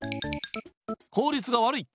効率が悪い。